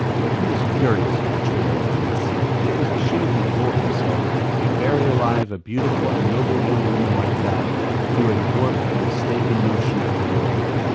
He was furious with the trio of aunts. It was a shame, he told himself, to bury alive a beautiful and noble young woman like that, through a warped and mistaken notion of the world.